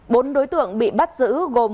bốn đối tượng bị bắt giữ gồm